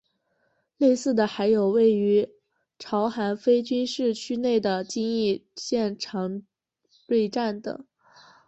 类似的还有位于朝韩非军事区内的京义线长湍站等。